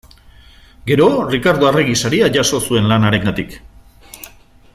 Gero Rikardo Arregi Saria jaso zuen lan harengatik.